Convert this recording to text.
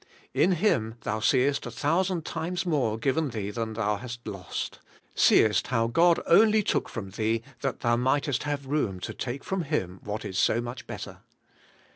In Him thou seest a thousand times more IN AFFLICTION AND TRIAL. 147 given thee than thou hast lost; seest how God only took from thee that thou mightest have room to take from Him what is so much better.